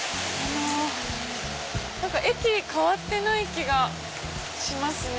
駅変わってない気がしますね。